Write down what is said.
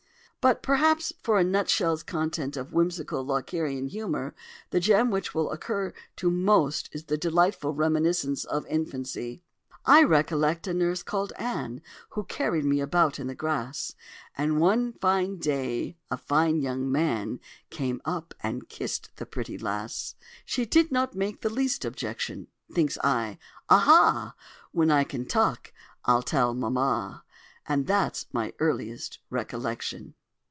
But perhaps, for a nutshell's content of whimsical Lockerian humour, the gem which will occur to most is the delightful reminiscence of infancy: "I recollect a nurse call'd Ann, Who carried me about the grass, And one fine day a fine young man Came up, and kiss'd the pretty Lass: She did not make the least objection! Thinks I. 'Aha! When I can talk I'll tell Mamma.' —And that's my earliest recollection."